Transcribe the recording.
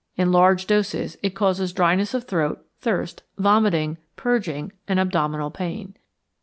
In large doses it causes dryness of throat, thirst, vomiting, purging, and abdominal pain.